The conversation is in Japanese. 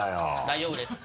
大丈夫です。